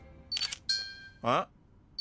あっ？